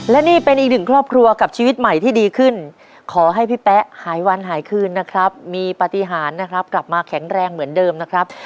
และนี่เป็นอีกหนึ่งครอบครัวกับชีวิตใหม่ที่ดีขึ้นขอให้พี่แป๊ะหายวันหายคืนนะครับมีปฏิหารนะครับกลับมาแข็งแรงเหมือนเดิมนะครับ